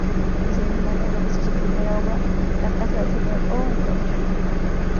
Ese mismo año realizó su primera obra la casa del Sr. O en Tokio.